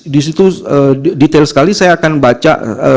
disitu detail sekali saya akan baca